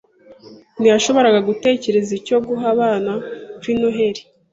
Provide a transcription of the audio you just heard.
Ntiyashoboraga gutekereza icyo guha abana kuri Noheri.